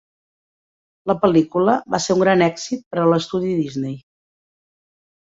La pel·lícula va ser un gran èxit per a l'estudi Disney.